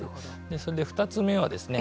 それで、２つ目はですね